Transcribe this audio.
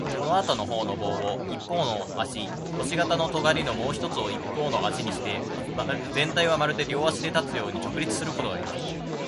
このあとのほうの棒を一方の足、星形のとがりの一つをもう一方の足にして、全体はまるで両足で立つように直立することができる。